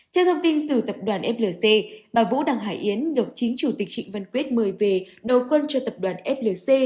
theo thông tin từ tập đoàn flc bà vũ đăng hải yến được chính chủ tịch trịnh văn quyết mời về đầu quân cho tập đoàn flc